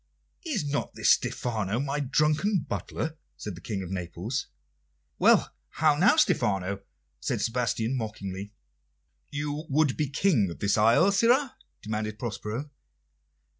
"Is not this Stephano, my drunken butler?" said the King of Naples. "Why, how now, Stephano?" said Sebastian mockingly. "You would be King of the isle, sirrah?" demanded Prospero.